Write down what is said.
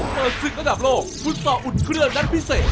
เปิดศึกระดับโลกพุทธตอบอุดเครื่องด้านพิเศษ